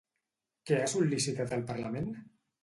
Què ha sol·licitat el Parlament?